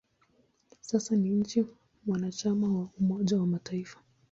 Sasa ni nchi mwanachama wa Umoja wa Mataifa.